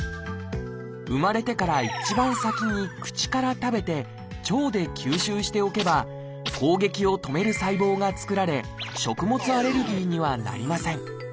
生まれてから一番先に口から食べて腸で吸収しておけば攻撃を止める細胞が作られ食物アレルギーにはなりません。